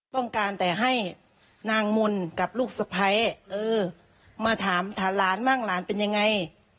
ต้องการแต่ให้นางมนต์กับลูกสะพ้ายเออมาถามหลานบ้างหลานเป็นยังไง